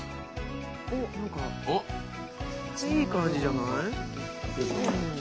おっ何かいい感じじゃない？